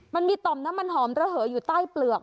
มันมีต่อมน้ำมันหอมระเหยอยู่ใต้เปลือก